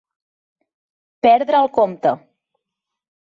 Perdre el compte.